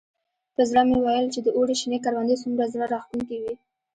په زړه مې ویل چې د اوړي شنې کروندې څومره زړه راښکونکي وي.